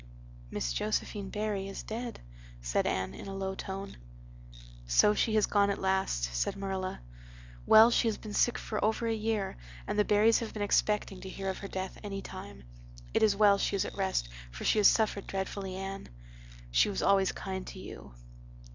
"Miss Josephine Barry is dead," said Anne, in a low tone. "So she has gone at last," said Marilla. "Well, she has been sick for over a year, and the Barrys have been expecting to hear of her death any time. It is well she is at rest for she has suffered dreadfully, Anne. She was always kind to you."